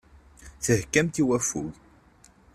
Theggamt i waffug.